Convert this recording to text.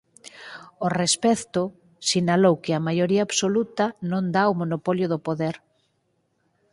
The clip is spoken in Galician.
Ó respecto, sinalou que "a maioría absoluta non dá o monopolio do poder.